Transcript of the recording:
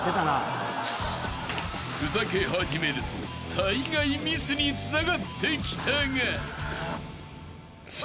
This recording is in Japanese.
［ふざけ始めるとたいがいミスにつながってきたが］